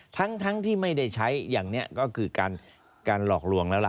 ทั้งที่ไม่ได้ใช้อย่างนี้ก็คือการหลอกลวงแล้วล่ะ